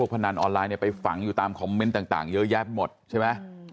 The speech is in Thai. พนันออนไลน์เนี่ยไปฝังอยู่ตามคอมเมนต์ต่างเยอะแยะไปหมดใช่ไหม